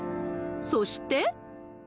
そして。